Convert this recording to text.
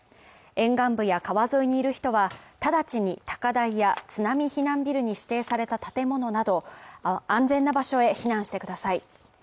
沿岸部や川沿いにいる人は直ちに高台や津波避難ビルに指定された建物など安全な場所へ避難してください。